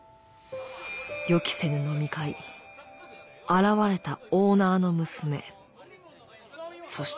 予期せぬ飲み会現れたオーナーの娘そして。